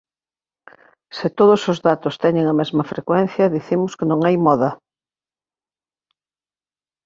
Se todos os datos teñen a mesma frecuencia dicimos que non hai moda.